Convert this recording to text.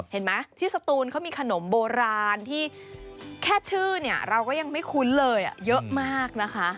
เห็นไหมที่สตูนเขามีขนมโบราณที่แค่ชื่อเนี่ยเราก็ยังไม่คุ้นเลยเยอะมากนะคะ